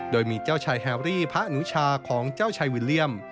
โดยมีเจ้าชายแฮรี่พระอนุชาของเจ้าชายวิลเลี่ยม